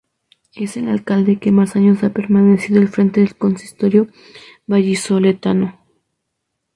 Es el alcalde que más años ha permanecido al frente del consistorio vallisoletano.